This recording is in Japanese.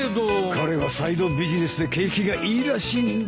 彼はサイドビジネスで景気がいいらしいんだよ。